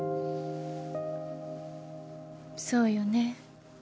そうよね